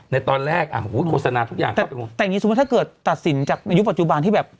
ในตอนแรกอ่ะโฆษณาทุกอย่างแต่อย่างงี้สมมุติถ้าเกิดตัดสินจากในยุคปัจจุบันที่แบบ